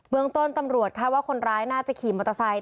เมืองต้นตำรวจคาดว่าคนร้ายน่าจะขี่มอเตอร์ไซค